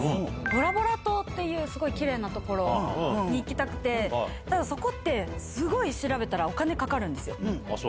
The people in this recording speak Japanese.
ボラボラ島っていう、すごいきれいな所に行きたくて、だけどそこって、すごい調べたらお金かかるんですよ。